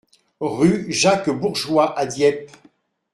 Rue Jacques Bourgeois à Dieppe